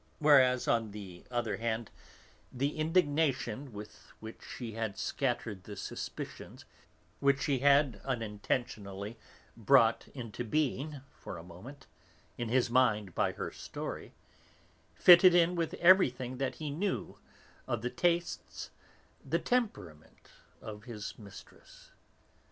Whereas, on the other hand, the indignation with which she had scattered the suspicions which she had unintentionally brought into being, for a moment, in his mind by her story, fitted in with everything that he knew of the tastes, the temperament of his mistress.